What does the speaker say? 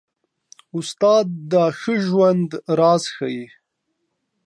استاد د ښه ژوند راز ښيي.